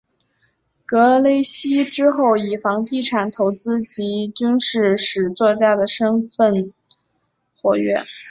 格雷西之后以房地产投资及军事史作家的身分活跃。